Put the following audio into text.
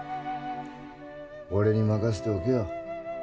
俺に任せておけよ。